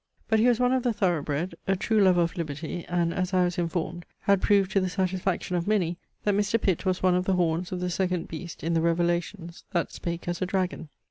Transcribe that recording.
But he was one of the thorough bred, a true lover of liberty, and, as I was informed, had proved to the satisfaction of many, that Mr. Pitt was one of the horns of the second beast in THE REVELATIONS, that spake as a dragon.